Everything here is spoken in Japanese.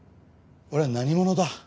俺は何者だ？